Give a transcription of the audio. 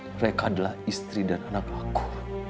mereka adalah istri dan anakku